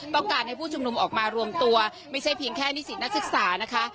ต้องการให้ผู้ชุมนุมออกมารวมตัวไม่ใช่เพียงแค่นิสิตนักศึกษานะคะ